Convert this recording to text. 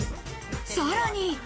さらに。